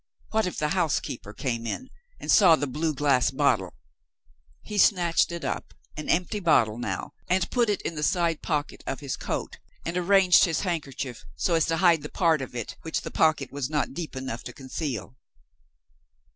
What if the housekeeper came in, and saw the blue glass bottle? He snatched it up an empty bottle now and put it in the side pocket of his coat, and arranged his handkerchief so as to hide that part of it which the pocket was not deep enough to conceal.